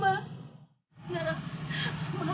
kalian malam bahagia